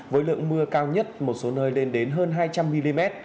với lượng mưa cao nhất một số nơi lên đến hơn hai trăm linh mm